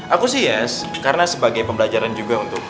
aku sih yes karena sebagai pembelajaran juga untuk